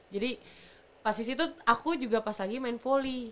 jadi pas disitu aku juga pas lagi main volley